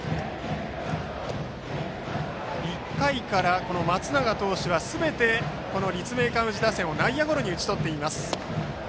１回から松永投手はすべて立命館宇治打線を内野ゴロに打ち取っています。